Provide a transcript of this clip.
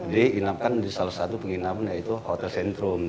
di inapkan salah satu penginapnya itu hotel sentrum